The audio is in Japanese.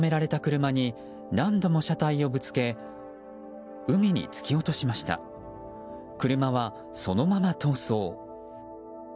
車はそのまま逃走。